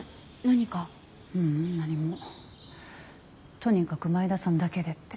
とにかく前田さんだけでって。